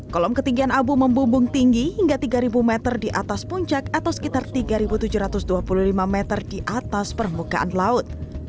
kolom ketinggian abu membumbung tinggi hingga tiga meter di atas puncak atau sekitar tiga tujuh ratus dua puluh lima meter di atas permukaan laut